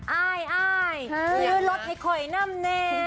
อ้ายอ้ายซื้อรถไข่ไข่น้ำเนง